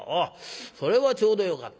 それはちょうどよかった。